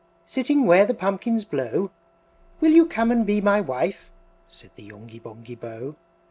Sitting where the pumpkins blow, Will you come and be my wife?" Said the Yonghy Bonghy Bò.